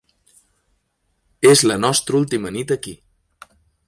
És la nostra última nit aquí!